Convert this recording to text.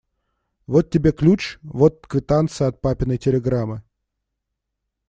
Вот тебе ключ, вот квитанция от папиной телеграммы.